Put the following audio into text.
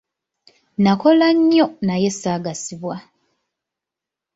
Nakola nnyo naye saagasibwa.